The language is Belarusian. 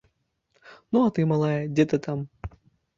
Ну а ты, малая, дзе ты там?